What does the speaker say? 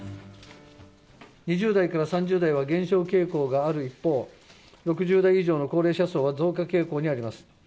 ２０代から３０代は、減少傾向がある一方、６０代以上の高齢者層は増加傾向にあります。